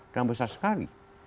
dan besar sekali